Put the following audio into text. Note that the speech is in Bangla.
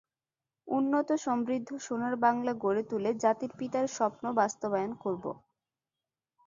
উন্নত সমৃদ্ধ সোনার বাংলা গড়ে তুলে জাতির পিতার স্বপ্ন বাস্তবায়ন করব।